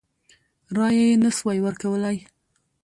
رایه یې نه سوای ورکولای.